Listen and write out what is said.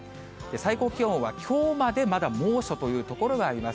最高気温はきょうまでまだ猛暑という所があります。